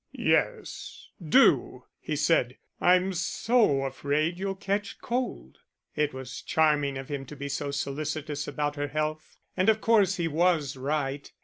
"Yes, do," he said. "I'm so afraid you'll catch cold." It was charming of him to be so solicitous about her health, and of course he was right.